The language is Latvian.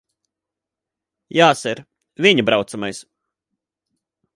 Jā, ser. Viņa braucamais.